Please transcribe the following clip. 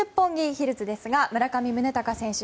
ヒルズですが村上宗隆選手